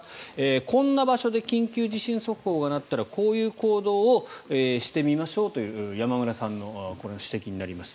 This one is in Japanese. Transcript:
こんな場所で緊急地震速報が鳴ったらこういう行動をしてみましょうという山村さんの指摘になります。